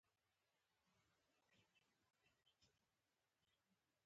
کچالو د ښه ذوق نښه ده